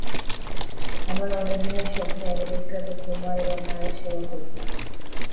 আমার অনেক দিনের স্বপ্ন আমেরিকাতে তোমার এবং মায়ের সেবা করবো।